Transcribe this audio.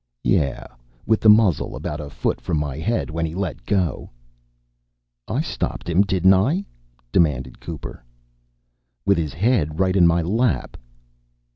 "Yeah, with the muzzle about a foot from my head when he let go." "I stopped him, didn't I?" demanded Cooper. "With his head right in my lap."